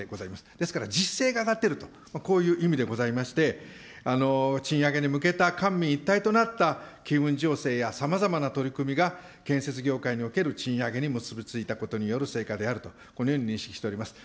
ですから実勢が上がっていると、こういう意味でございまして、賃上げに向けた官民一体となった機運醸成やさまざまな取り組みが建設業界における賃上げに結び付いたことによる成果であるとこのように認識しております。